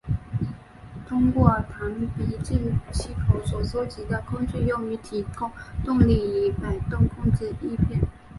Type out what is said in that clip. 通过弹鼻进气口所收集的空气用于提供动力以摆动控制翼片。